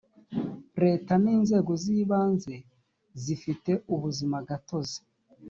leta n inzego z ibanze zifite ubuzima gatozi